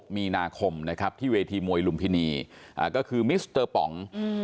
มีนาคมนะครับที่เวทีมวยลุมพินีก็คือมิสเตอร์ป๋อง